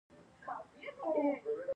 ایا شکایت نه کوئ؟